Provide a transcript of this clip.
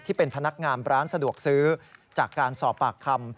ที่เป็นพนักงานร้านสะดวกซื้อจากการสอบปากคำ